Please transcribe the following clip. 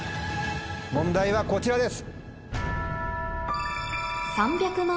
問題はこちらです。